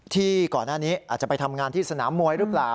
ที่ก่อนหน้านี้อาจจะไปทำงานที่สนามมวยหรือเปล่า